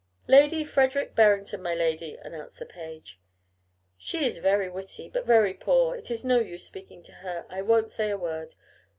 'Lady Frederick Berrington, my lady,' announced the page. 'She is very witty, but very poor. It is no use speaking to her. I won't say a word.